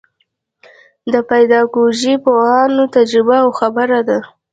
د پیداکوژۍ پوهانو تجربه او خبره ده.